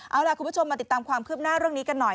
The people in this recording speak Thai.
เอาล่ะคุณผู้ชมมาติดตามความคืบหน้าเรื่องนี้กันหน่อย